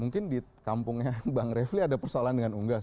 mungkin di kampungnya bang refli ada persoalan dengan unggas